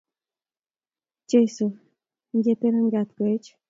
Jesu inegitena kat koech